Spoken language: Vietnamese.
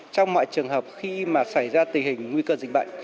trong mọi trường hợp khi mà xảy ra tình hình nguy cơ dịch bệnh